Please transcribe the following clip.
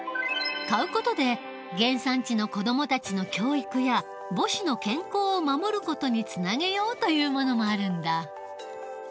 買う事で原産地の子どもたちの教育や母子の健康を守る事につなげようというものもあるんだ。